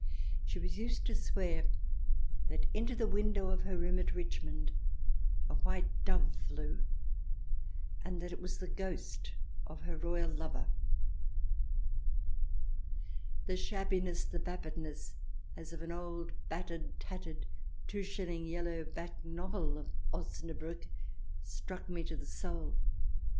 She was used to swear that into the window of her room at Richmond a white dove flew, and that it was the ghost of her royal lover. The shabbiness, the vapidness, as of an old, bat tered, tattered, two shilling, yellow back novel, of OsnabrUck struck me to the soul.